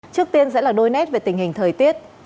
trước tiên sẽ là đôi nét về tình hình thời tiết